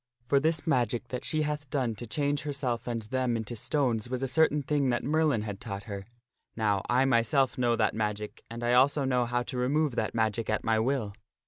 For this magic that she hath done to change herself and them into stones was a certain thing that Merlin had taught her. Now I myself know that magic, and I also know how to remove that magic at my will.